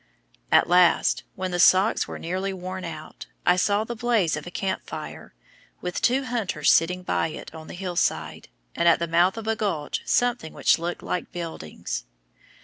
At last, when the socks were nearly worn out, I saw the blaze of a camp fire, with two hunters sitting by it, on the hill side, and at the mouth of a gulch something which looked like buildings.